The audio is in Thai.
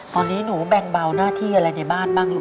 ตอนนี้หนูแบ่งเบาหน้าที่อะไรในบ้านบ้างลูก